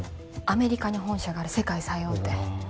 アメリカに本社がある世界最大手わあ